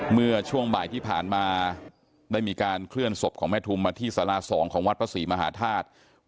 เมื่อช่วงบ่ายที่ผ่านมาได้มีการเคลื่อนศพของแม่ทุมมาที่สารา๒ของวัดพระศรีมหาธาตุ